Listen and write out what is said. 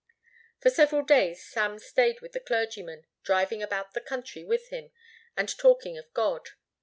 For several days Sam stayed with the clergyman, driving about the country with him and talking of God.